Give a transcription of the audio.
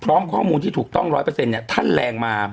พร้อมข้อมูลที่ถูกต้อง๑๐๐เนี่ยถ้าแรงมา